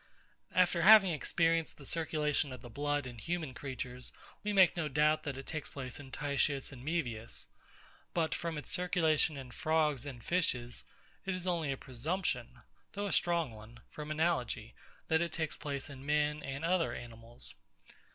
After having experienced the circulation of the blood in human creatures, we make no doubt that it takes place in TITIUS and MAEVIUS. But from its circulation in frogs and fishes, it is only a presumption, though a strong one, from analogy, that it takes place in men and other animals.